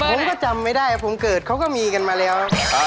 ผมก็จำไม่ได้ผมเกิดเขาก็มีกันมาแล้ว